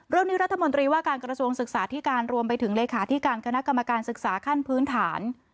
เรื่องนี้รัฐมนตรีว่าการกระทรวงศึกษาที่การรวมไปถึงเลขาธิการคณะกรรมการศึกษาขั้นพื้นฐาน